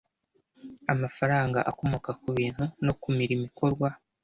Amafaranga akomoka ku bintu no ku mirimo ikorwa